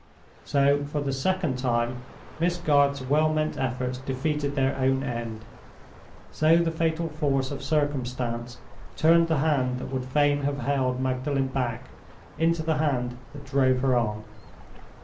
So, for the second time, Miss Garth's well meant efforts defeated their own end. So the fatal force of circumstance turned the hand that would fain have held Magdalen back into the hand that drove her on.